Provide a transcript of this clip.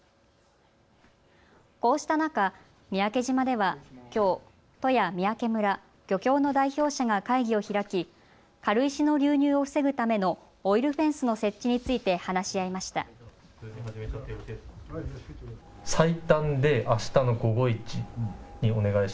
こうした中、三宅島ではきょう、都や三宅村、漁協の代表者が会議を開き軽石の流入を防ぐためのオイルフェンスの設置について話し合いました。